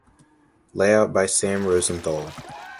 Layout by Sam Rosenthal.